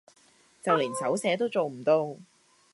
就連手寫都做唔到